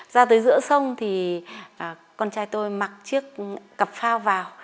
ra tới giữa sông thì con trai tôi mặc chiếc cặp phao vào